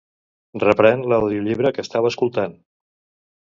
Reprèn l'audiollibre que estava escoltant.